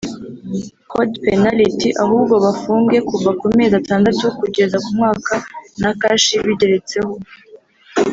Code penal iti ahubwo bagufunge kuva ku mezi atandatu kugeza ku mwaka na kashi bigeretseho